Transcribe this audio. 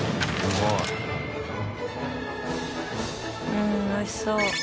うんおいしそう。